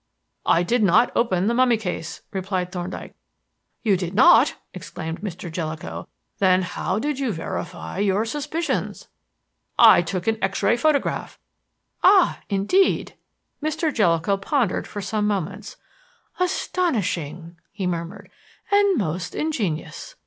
"I did not open the mummy case," replied Thorndyke. "You did not!" exclaimed Mr. Jellicoe. "Then how did you verify your suspicions?" "I took an X ray photograph." "Ah! Indeed!" Mr. Jellicoe pondered for some moments. "Astonishing!" he murmured; "and most ingenious.